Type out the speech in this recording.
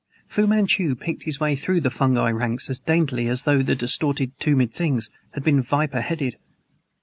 Fu Manchu picked his way through the fungi ranks as daintily as though the distorted, tumid things had been viper headed.